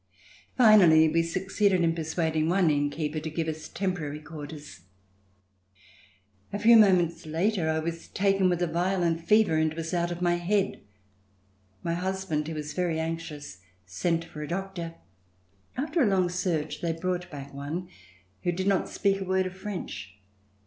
Finally we succeeded in persuading one inn keeper to give us temporary quarters. A few moments Inter [305 ] RECOLLECTIONS OF THE REVOLUTION I was taken with a violent fever and was out of my head. My husband who was very anxious sent for a doctor. After a long search they brought back one who did not speak a word of French.